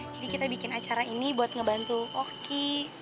jadi kita bikin acara ini buat ngebantu oki